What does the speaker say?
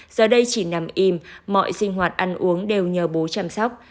giờ đây chỉ nằm im mọi sinh hoạt ăn uống đều nhờ bố chăm sóc